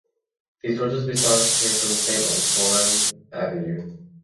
These torches, we saw, came from the Saint-Antoine avenue.